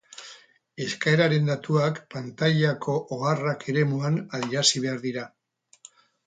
Eskaeraren datuak pantailako "Oharrak" eremuan adierazi behar dira.